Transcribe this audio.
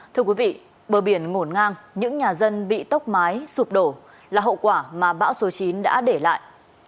thưa quý vị bờ biển ngổn ngang những nhà dân bị tốc mái sụp đổ là hậu quả mà bão số chín đã để lại